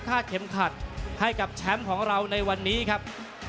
เข็มขัดให้กับแชมป์ของเราในวันนี้ครับ